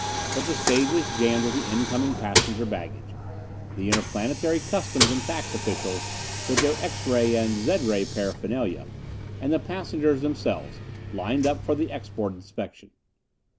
But the stage was jammed with the incoming passenger baggage: the interplanetary customs and tax officials with their X ray and Zed ray paraphernalia and the passengers themselves, lined up for the export inspection.